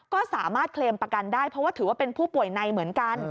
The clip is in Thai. ก็สามารถเคลมประกันได้เพราะว่าถือว่าเป็นผู้ป่วยในเหมือนกัน